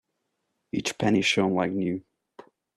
Each penny shone like new.